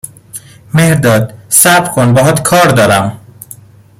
مهرداد، صبر کن باهات کار دارم